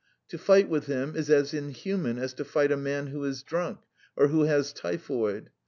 To fight with him is as inhuman as to fight a man who is drunk or who has typhoid.